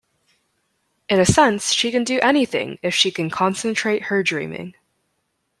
In a sense she can do anything if she can concentrate her dreaming.